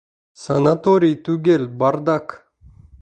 Санаторий түгел, бардак!